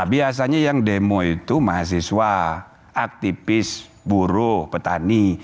biasanya yang demo itu mahasiswa aktivis buruh petani